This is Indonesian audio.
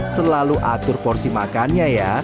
selalu atur porsi makannya ya